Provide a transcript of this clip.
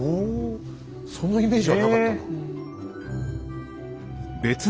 そんなイメージはなかったな。